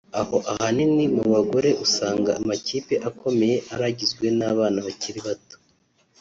aho ahanini mu bagore usanga amakipe akomeye ari agizwe n’abana bakiri bato